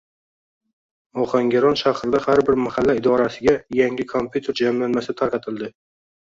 Ohangaron shahrida har bir mahalla idorasiga yangi kompyuter jamlanmasi tarqatildi